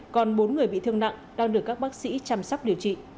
còn bốn người bị thương nặng đang được các bác sĩ chăm sóc điều trị